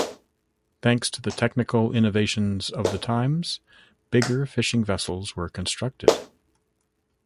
Thanks to the technical innovations of the times, bigger fishing vessels were constructed.